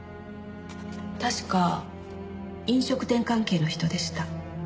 確か飲食店関係の人でした。